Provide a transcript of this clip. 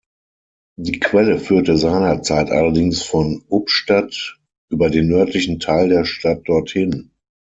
Die Quelle führte seinerzeit allerdings von Ubstadt über den nördlichen Teil der Stadt dorthin.